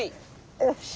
よし。